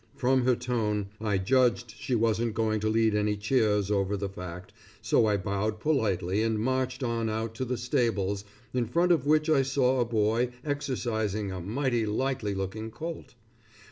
From her tone, I judged she wasn't going to lead any cheers over the fact, so I bowed politely and marched on out to the stables in front of which I saw a boy exercising a mighty likely looking colt.